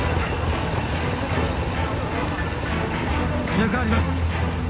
脈あります。